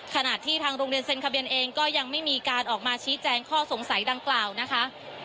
ขณะที่ทางโรงเรียนเซ็นทะเบียนเองก็ยังไม่มีการออกมาชี้แจงข้อสงสัยดังกล่าวนะคะ